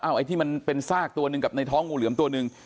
ไอ้ที่มันเป็นซากตัวหนึ่งกับในท้องงูเหลือมตัวหนึ่ง